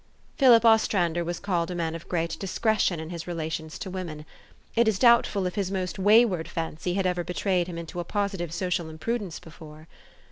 Philip Ostrander was called a man of great dis cretion in his relations to women. It is doubtful if his most wayward fancy had ever betrayed him into a positive social imprudence before.